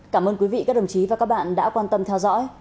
cảm ơn quý vị các đồng chí và các bạn đã quan tâm theo dõi